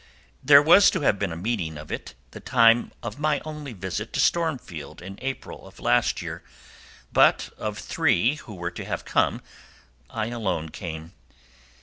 There was to have been a meeting of it the time of my only visit to Stormfield in April of last year; but of three who were to have come I alone came.